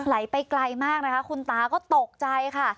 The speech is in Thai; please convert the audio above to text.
ไหลไปไกลมากนะคะคุณตาก็ตกใจค่ะ